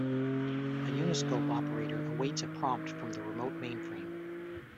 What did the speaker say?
A Uniscope operator awaits a prompt from the remote mainframe.